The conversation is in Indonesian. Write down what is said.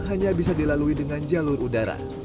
hanya bisa dilalui dengan jalur udara